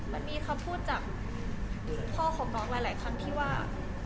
มันมีคำพูดจากพ่อของน้องหลายครั้งที่ว่า